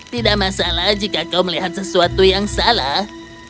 tidak masalah jika kau melihat sesuatu yang salah